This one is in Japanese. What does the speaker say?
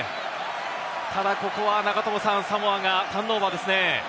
ただここはサモアがターンオーバーですね。